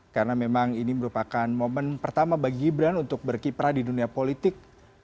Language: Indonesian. karena memang ini merupakan momen pertama bagi gibran untuk berkiprah di dunia politik